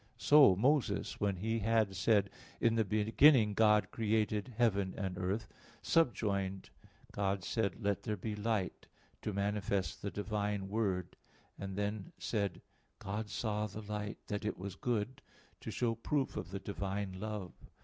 So Moses, when he had said, "In the beginning God created heaven and earth," subjoined, "God said, Let there be light," to manifest the divine Word; and then said, "God saw the light that it was good," to show proof of the divine love.